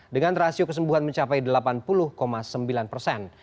dengan rasio kesembuhan mencapai delapan puluh sembilan persen